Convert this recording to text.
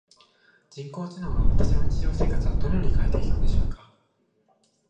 人工知能は私の日常生活をどのように変えていくのでしょうか？